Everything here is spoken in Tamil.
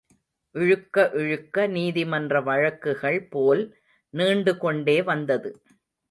இழுக்க இழுக்க நீதிமன்ற வழக்குகள் போல் நீண்டு கொண்டே வந்தது.